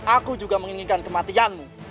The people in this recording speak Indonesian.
aku juga menginginkan kematianmu